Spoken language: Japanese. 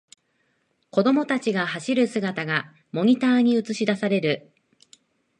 子供たちの走る姿がモニターに映しだされる